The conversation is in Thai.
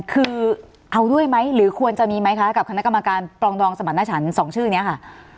คือเอาด้วยไหมหรือควรจะมีไหมคะกับคณะกรรมการปรองดองสมรรถฉัน๒ชื่อนี้ค่ะ